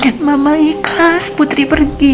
s syntll mama ijtlas putri pergihp